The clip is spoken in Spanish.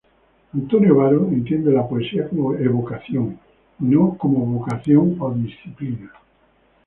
Antonio Varo entiende la poesía como evocación, y no como vocación o disciplina.